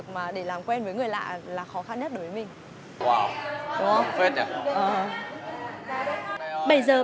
chạy nhanh nhanh không phải lạc đường bây giờ